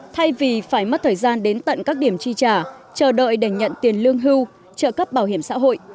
thay vì phải mất thời gian đến tận các điểm chi trả chờ đợi để nhận tiền lương hưu trợ cấp bảo hiểm xã hội